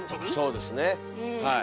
そうですねはい。